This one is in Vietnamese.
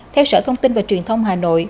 theo sở thông tin và truyền thông hà nội